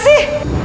ibu dimana sih